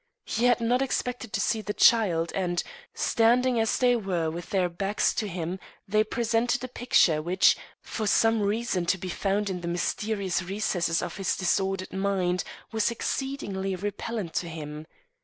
He had not expected to see the child, and, standing as they were with their backs to him, they presented a picture which, for some reason to be found in the mysterious recesses of his disordered mind, was exceedingly repellent to him.